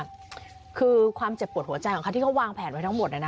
รู้สึกว่าคือความเจ็บปวดหัวใจของเขาที่เขาวางแผนไว้ทั้งหมดน่ะนะ